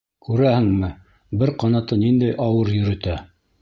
Күрәһеңме, бер ҡанатын ниндәй ауыр йөрөтә...